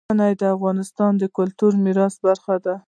منی د افغانستان د کلتوري میراث برخه ده.